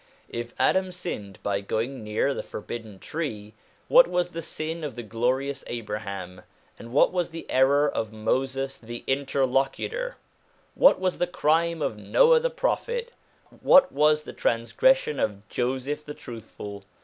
If Adam sinned by going near the forbidden tree, what was the sin of the glorious Abraham, and what was the error of Moses the Inter locutor ? What was the crime of Noah the Prophet ? What was the transgression of Joseph the Truthful